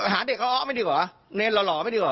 หาเด็กอ้อไม่ดีกว่าเนรหล่อไม่ดีห